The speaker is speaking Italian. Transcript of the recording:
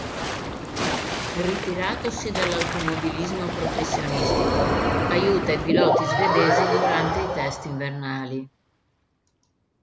Ritiratosi dall'automobilismo professionistico aiuta i piloti svedesi durante i test invernali.